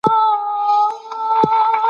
ایا ته له خپلي ژبي پرته په نورو ژبو پوهېږې؟